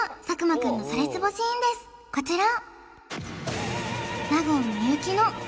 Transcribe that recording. こちら！